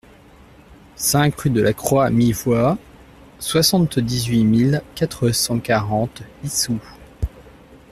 cinq rue de la Croix Mi Voie, soixante-dix-huit mille quatre cent quarante Issou